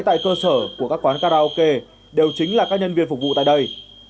tại cơ sở của các quán karaoke đều chính là các nhân viên phục vụ tại đây